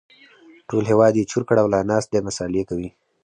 ټول هېواد يې چور کړ او لا ناست دی مسالې کوي